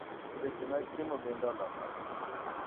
Weche mag chiemo bende olokore.